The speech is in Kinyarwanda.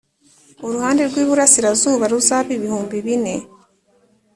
Uruhande rw iburasirazuba ruzabe ibihumbi bine